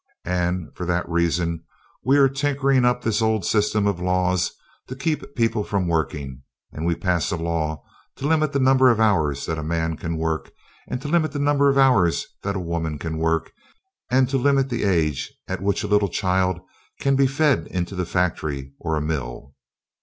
And for that reason we are tinkering up this old system of laws to keep people from working, and we pass a law to limit the number of hours that a man can work and to limit the number of hours that a woman can work, and to limit the age at which a little child can be fed into a factory or a mill.